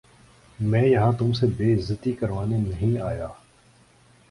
میں یہاں تم سے بے عزتی کروانے نہیں آیا